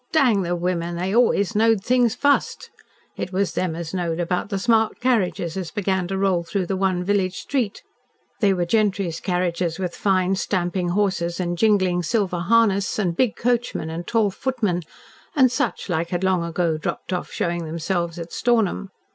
"Dang the women, they always knowed things fust." It was them as knowed about the smart carriages as began to roll through the one village street. They were gentry's carriages, with fine, stamping horses, and jingling silver harness, and big coachmen, and tall footmen, and such like had long ago dropped off showing themselves at Stornham.